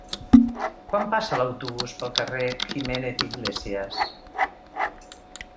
Quan passa l'autobús pel carrer Jiménez i Iglesias?